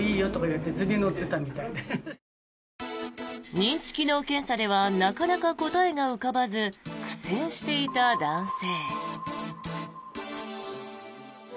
認知機能検査ではなかなか答えが浮かばず苦戦していた男性。